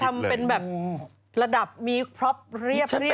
ทำเป็นแบบระดับมีคล็อปเรียบเลยนะ